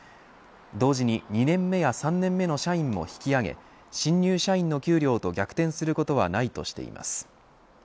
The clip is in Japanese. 同時に２年目や３年目の社員も引き上げ新入社員の給料と逆転することはないとしています。